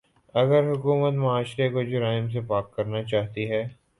اگر حکومت معاشرے کو جرائم سے پاک کرنا چاہتی ہے۔